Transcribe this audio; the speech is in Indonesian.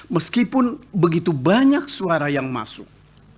meskipun begitu banyak suara yang masuk